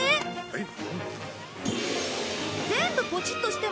えっ？